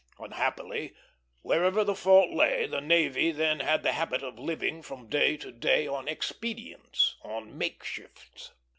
Unhappily, wherever the fault lay, the navy then had the habit of living from day to day on expedients, on makeshifts.